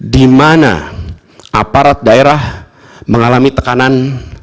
di mana aparat daerah mengalami tekanan